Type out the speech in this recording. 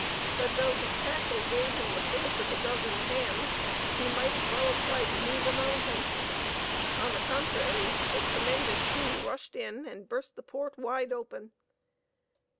But though his tackle gave him the force of a dozen hands, he might as well have tried to move a mountain: on the contrary, the tremendous sea rushed in and burst the port wide open.